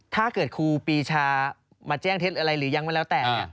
ครูปีชามาแจ้งเท็จอะไรหรือยังไม่แล้วแต่